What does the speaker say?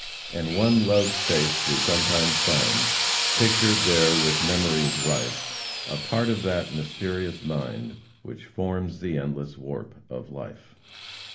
And one loved face we sometimes find Pictured there with memories rife A part of that mysterious mind Which forms the endless warp of life."